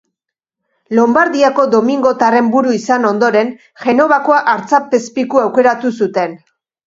Lonbardiako domingotarren buru izan ondoren, Genovako artzapezpiku aukeratu zuten.